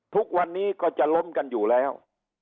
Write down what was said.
ทุกวันนี้ก็จะล้มกันอยู่แล้ว